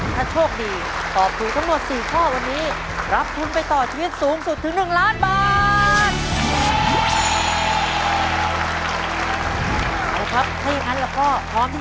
ถ้าโชคดีตอบถูกทั้งหมด๔ข้อวันนี้รับทุนไปต่อชีวิตสูงสุดถึง๑ล้านบาท